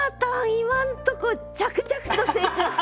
今んとこ着々と成長してます。